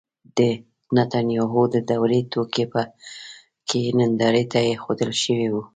د نبطیانو د دورې توکي په کې نندارې ته اېښودل شوي وو.